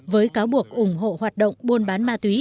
với cáo buộc ủng hộ hoạt động buôn bán ma túy